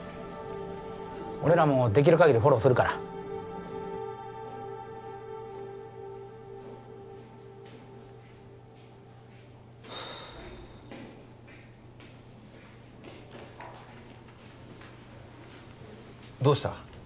俺らもできるかぎりフォローするからどうした？